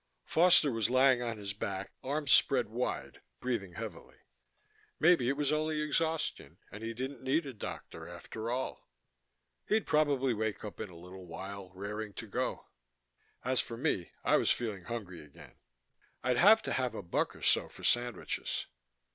Foster was lying on his back, arms spread wide, breathing heavily. Maybe it was only exhaustion, and he didn't need a doctor after all. He'd probably wake up in a little while, raring to go. As for me, I was feeling hungry again. I'd have to have a buck or so for sandwiches.